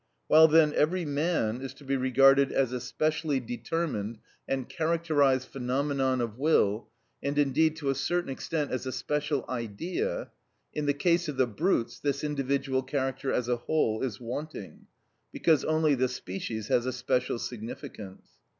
While then every man is to be regarded as a specially determined and characterised phenomenon of will, and indeed to a certain extent as a special Idea, in the case of the brutes this individual character as a whole is wanting, because only the species has a special significance.